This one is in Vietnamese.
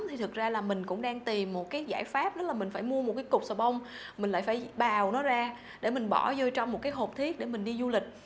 thì thực ra là mình cũng đang tìm một cái giải pháp đó là mình phải mua một cái cục sà bông mình lại phải bào nó ra để mình bỏ vô trong một cái hộp thiết để mình đi du lịch